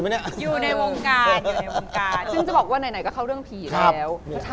ถึงวันนี้นี่คือ๒๐ปีแล้วหรอ